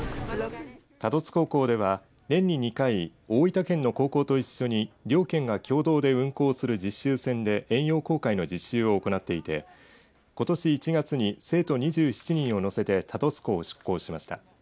多度津高校では年に２回大分県の高校と一緒に両県が共同で運航する実習船で遠洋航海の実習を行っていてことし１月に生徒２７人を乗せて多度津港を出港しました。